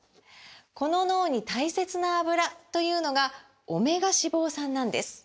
この脳に大切なアブラというのがオメガ脂肪酸なんです！